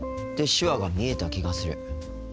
手話が見えた気がする。